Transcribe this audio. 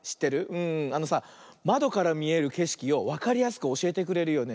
あのさまどからみえるけしきをわかりやすくおしえてくれるよね。